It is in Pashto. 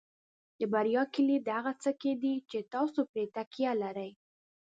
د بریا کلید د هغه څه کې دی چې تاسو پرې تکیه لرئ.